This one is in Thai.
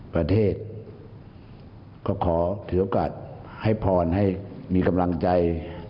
ประเทศก็ขอถือโอกาสให้พรให้มีกำลังใจ